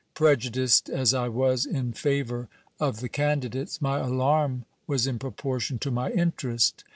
Prejudiced as I was in favour of the candidates, my alarm was in proportion to my interest.